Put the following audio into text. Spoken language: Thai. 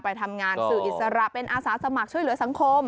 ไปทำงานสื่ออิสระเป็นอาสาสมัครช่วยเหลือสังคม